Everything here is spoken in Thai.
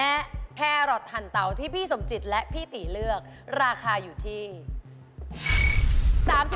เออนเต๋าที่พี่สมจิตและพี่ตริเลือกราคาอยู่ที่๓๙บาท